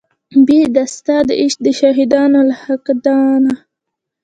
بې د ستا د عشق د شهیدانو له خاکدانه